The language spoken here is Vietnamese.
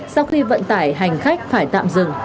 sau khi vận tải hành khách phải tạm dừng